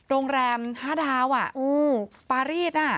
โรงแรม๕ดาวปารีสน่ะ